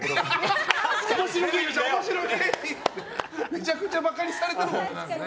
めちゃくちゃバカにされてるもんね。